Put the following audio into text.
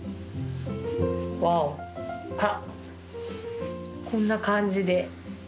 あっ、こんな感じで。